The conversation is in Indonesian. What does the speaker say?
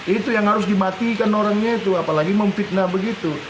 itu yang harus dimatikan orangnya itu apalagi memfitnah begitu